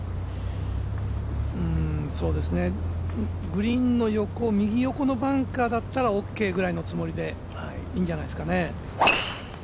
グリーンの右横のバンカーだったらＯＫぐらいのつもりでいいんじゃないですかね。